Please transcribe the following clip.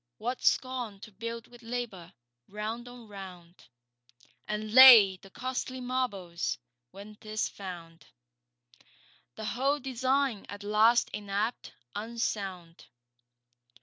What scorn to build with labour, round on round, And lay the costly marbles, when 'tis found The whole design at last inapt, unsound!